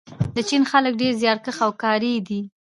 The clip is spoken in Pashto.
د چین خلک ډېر زیارکښ او کاري دي.